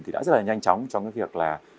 thì đã rất là nhanh chóng trong cái việc là